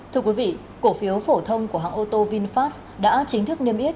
thưa quý vị cổ phiếu phổ thông của hãng ô tô vinfast đã chính thức niêm yết